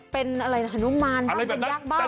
เป็นอะไรนะหนุ่มมารหรือเป็นยักษ์บ้าง